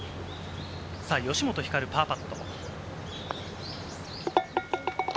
吉本ひかる、パーパット。